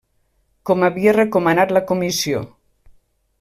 Com havia recomanat la comissió.